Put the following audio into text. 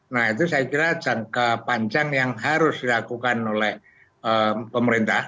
nah itu saya kira jangka panjang yang harus dilakukan oleh pemerintah